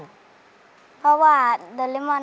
ต้นไม้ประจำจังหวัดระยองการครับ